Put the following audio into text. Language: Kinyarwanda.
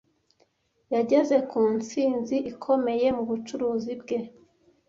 Yageze ku ntsinzi ikomeye mu bucuruzi bwe.